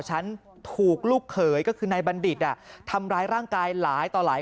ฉันถูกลูกเขยก็คือนายบัณฑิตอ่ะทำร้ายร่างกายหลายต่อหลาย